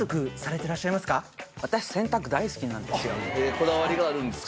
こだわりがあるんですか？